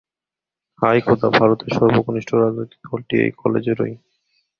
হায় খোদা, ভারতের সর্বকনিষ্ঠ রাজনৈতিক দলটি এই কলেজেরই।